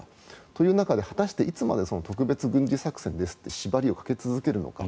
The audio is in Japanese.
という中で、果たしていつまで特別軍事作戦ですという縛りをかけ続けるのか。